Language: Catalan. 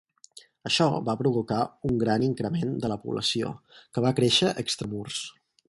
Això va provocar un gran increment de la població, que va créixer extramurs.